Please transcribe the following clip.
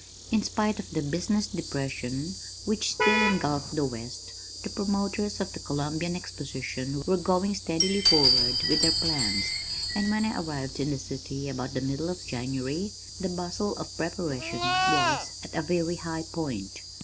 In spite of the business depression which still engulfed the west, the promoters of the Columbian Exposition were going steadily forward with their plans, and when I arrived in the city about the middle of January, the bustle of preparation was at a very high point.